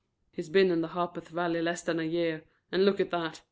"He's been in the Harpeth Valley less than a year, and look at that.